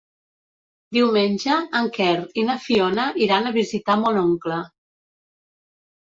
Diumenge en Quer i na Fiona iran a visitar mon oncle.